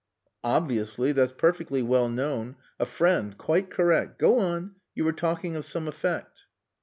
"Obviously. That's perfectly well known. A friend. Quite correct.... Go on. You were talking of some effect."